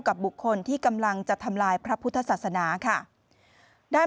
บุคคลที่กำลังจะทำลายพระพุทธศาสนาค่ะได้